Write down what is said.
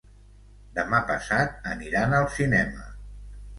Demà passat aniran al cinema.